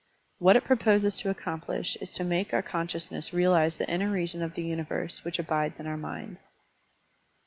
What it proposes to accomplish is to make our conscious ness realize the inner reason of the universe which abides in our minds.